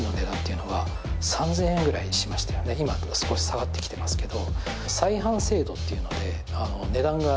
今少し下がってきてますけど。